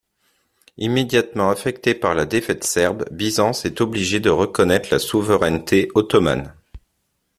Immédiatement affectée par la défaite serbe, Byzance est obligée de reconnaître la souveraineté ottomane.